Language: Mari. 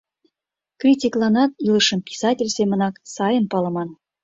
Критикланат илышым писатель семынак сайын палыман.